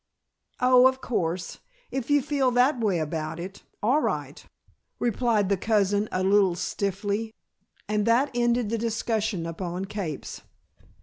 "Oh, of course, if you feel that way about it; all right," replied the cousin a little stiffly. And that ended the discussion upon capes.